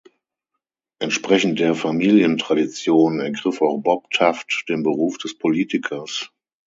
Entsprechend der Familientradition ergriff auch Bob Taft den Beruf des Politikers.